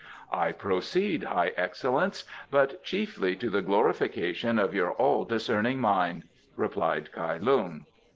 "I proceed, High Excellence, but chiefly to the glorification of your all discerning mind," replied Kai Lung.